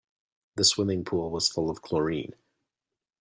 The swimming pool was full of chlorine.